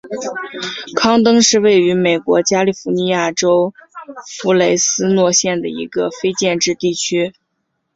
康登是位于美国加利福尼亚州弗雷斯诺县的一个非建制地区。